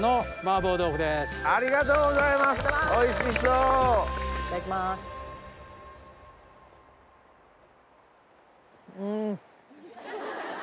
うん！